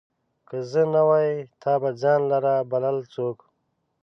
که زه نه وای، تا به ځان لره بلل څوک